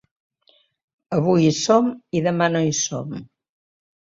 Avui hi som, i demà no hi som